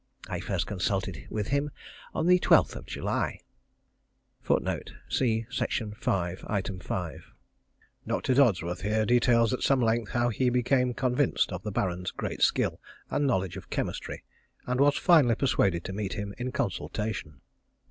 I first consulted with him on the 12th July. [Dr. Dodsworth here details at some length how he became convinced of the Baron's great skill and knowledge of chemistry, and was finally persuaded to meet him in consultation.